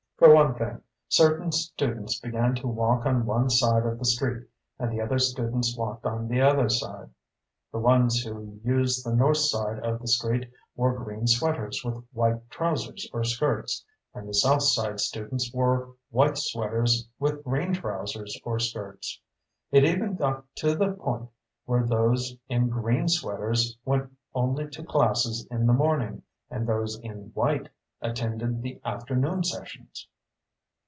For one thing, certain students began to walk on one side of the street and the other students walked on the other side. The ones who used the north side of the street wore green sweaters with white trousers or skirts, and the south side students wore white sweaters with green trousers or skirts. It even got to the point where those in green sweaters went only to classes in the morning and those in white attended the afternoon sessions.